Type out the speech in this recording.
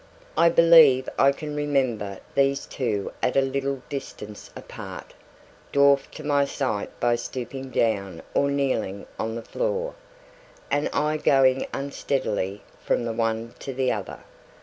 I believe I can remember these two at a little distance apart, dwarfed to my sight by stooping down or kneeling on the floor, and I going unsteadily from the one to the other.